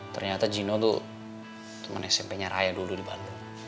ternyata gino tuh teman smp nya raya dulu di bandung